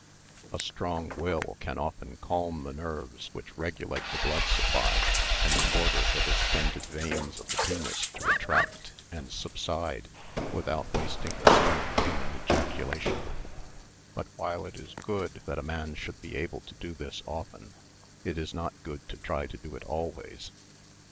A strong will can often calm the nerves which regulate the blood supply, and order the distended veins of the penis to retract and subside without wasting the semen in an ejaculation. But while it is good that a man should be able to do this often, it is not good to try to do it always.